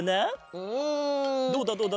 どうだどうだどうだ？